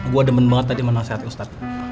gue demen banget tadi sama nasihat ustadz